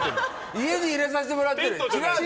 家に入れさせてもらってるよ。